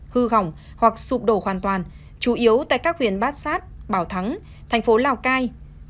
hư hỏng hoặc sụp đổ hoàn toàn chủ yếu tại các huyện bát sát bảo thắng thành phố lào cai